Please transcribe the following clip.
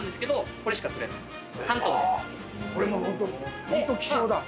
これもホント希少だ。